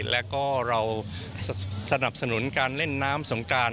แล้วก็เราสนับสนุนการเล่นน้ำสงการ